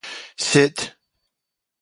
翼